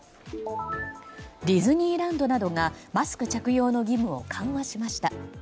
ディズニーランドなどがマスク着用の義務を緩和しました。